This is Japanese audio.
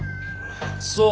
そう。